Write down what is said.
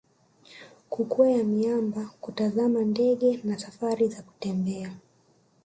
kukwea miamba kutazama ndege na safari za kutembea